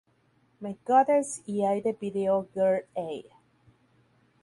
My Goddess" y Ai de "Video Girl Ai".